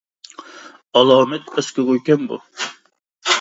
ئالامەت ئەسكى گۇيكەن بۇ.